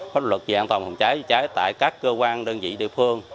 pháp luật về an toàn phòng cháy chữa cháy tại các cơ quan đơn vị địa phương